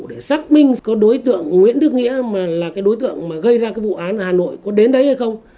để xác minh có đối tượng nguyễn đức nghĩa mà là cái đối tượng mà gây ra cái vụ án ở hà nội có đến đấy hay không